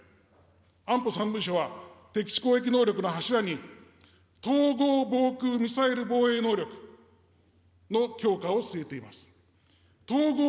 安保３文書は敵基地攻撃能力の柱に、統合防空ミサイル防衛能力の強化を据えています。